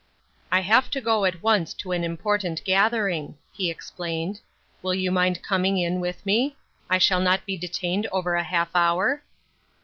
" I have to go at once to an important gather ing," he explained. " Will you mind coming in with me ? I shall not be detained over a half hour